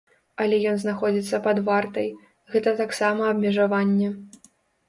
Але ён знаходзіцца пад вартай, гэта таксама абмежаванне.